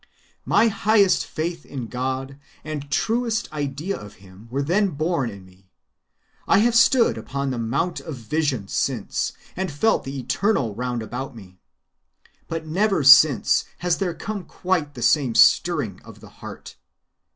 "My highest faith in God and truest idea of him were then born in me. I have stood upon the Mount of Vision since, and felt the Eternal round about me. But never since has there come quite the same stirring of the heart.